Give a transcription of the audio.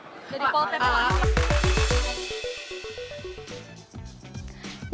jadi poltronnya langsung